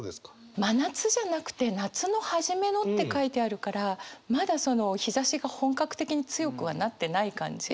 真夏じゃなくて「夏の初めの」って書いてあるからまだ日ざしが本格的に強くはなってない感じ？